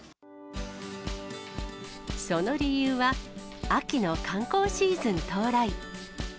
その理由は秋の観光シーズン到来。